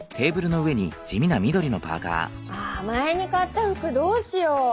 ああ前に買った服どうしよう？